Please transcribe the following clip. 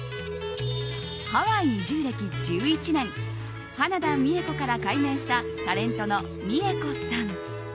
ハワイ移住歴１１年花田美恵子から改名したタレントのＭｉｅｋｏさん。